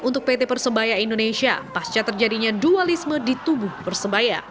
untuk pt persebaya indonesia pasca terjadinya dualisme di tubuh persebaya